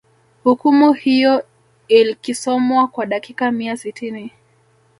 hukumu hiyo ilkisomwa kwa dakika mia sitini